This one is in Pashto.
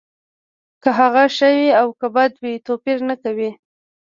که هغه ښه وي او که بد وي توپیر نه کوي